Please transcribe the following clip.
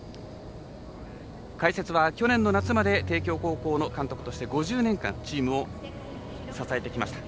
解説は、去年の夏まで帝京高校の監督として５０年間チームを支えてきました。